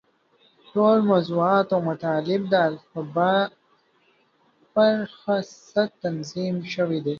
ټول موضوعات او مطالب د الفباء پر بنسټ تنظیم شوي دي.